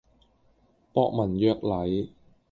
博文約禮